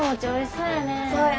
そうやね。